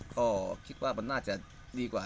ก็คิดว่ามันน่าจะดีกว่า